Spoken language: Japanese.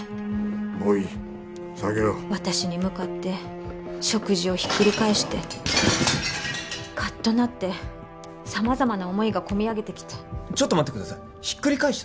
もういいさげろ・私に向かって食事をひっくり返してカッとなって様々な思いがこみ上げてきて待ってくださいひっくり返した？